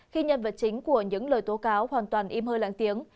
khi nhân vật chính của những lời tố cáo hoàn toàn im hơi lãng giếng